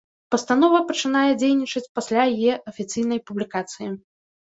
Пастанова пачынае дзейнічаць пасля яе афіцыйнай публікацыі.